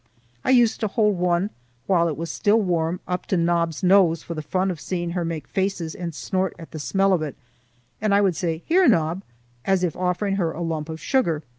I used to hold one while it was still warm, up to Nob's nose for the fun of seeing her make faces and snort at the smell of it; and I would say: "Here, Nob," as if offering her a lump of sugar.